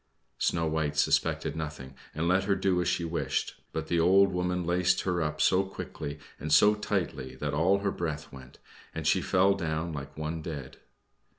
Snow White suspected nothing, and let her do as she wished, but the old woman laced her up so quickly and so tightly that all her breath went, and she fell down like one dead.